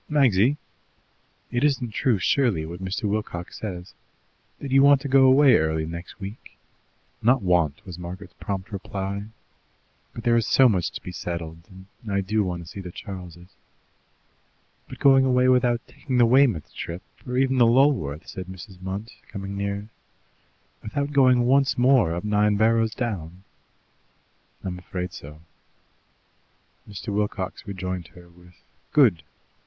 "Magsy! It isn't true, surely, what Mr. Wilcox says, that you want to go away early next week?" "Not 'want,'" was Margaret's prompt reply; "but there is so much to be settled, and I do want to see the Charles'." "But going away without taking the Weymouth trip, or even the Lulworth?" said Mrs. Munt, coming nearer. "Without going once more up Nine Barrows Down?" "I'm afraid so." Mr. Wilcox rejoined her with, "Good!